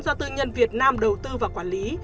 do tư nhân việt nam đầu tư và quản lý